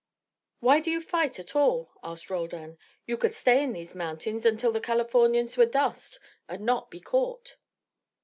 "Why do you fight at all?" asked Roldan. "You could stay in these mountains until the Californians were dust, and not be caught."